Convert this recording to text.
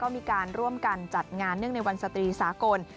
มีการร่วมกันจัดงานเนื่องในวันสตรีสากล